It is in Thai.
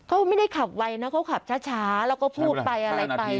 เขาไม่ได้ขับไวนะเขาขับช้าแล้วก็พูดไปอะไรไป